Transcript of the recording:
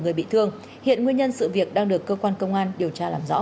người bị thương hiện nguyên nhân sự việc đang được cơ quan công an điều tra làm rõ